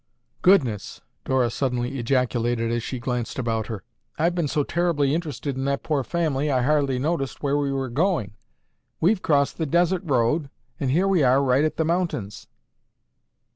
"Goodness!" Dora suddenly ejaculated as she glanced about her. "I've been so terribly interested in that poor family, I hardly noticed where we were going. We've crossed the desert road and here we are right at the mountains."